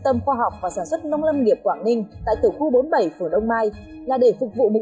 tâm khoa học và sản xuất nông lâm nghiệp quảng ninh tại tiểu khu bốn mươi bảy phường đông mai là để phục vụ mục